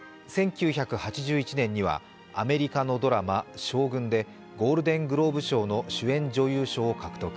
１９８１年にはアメリカのドラマ「将軍ＳＨＯＧＵＮ」でゴールデングローブ賞の主演女優賞を獲得。